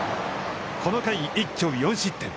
この回、一挙４失点。